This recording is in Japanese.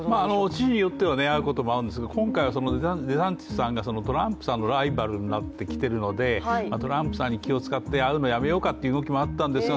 知事によっては会うことも会うんですが今回はデサンティスさんがトランプさんのライバルになってきているのでトランプさんに気を遣って会うのをやめようかということもあったんですが